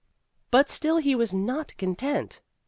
But still he was not content.